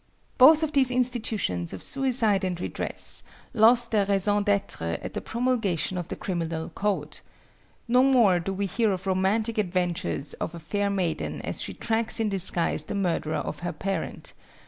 Both of these institutions of suicide and redress lost their raison d'être at the promulgation of the criminal code. No more do we hear of romantic adventures of a fair maiden as she tracks in disguise the murderer of her parent.